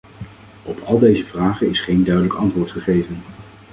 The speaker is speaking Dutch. Op al deze vragen is geen duidelijk antwoord gegeven.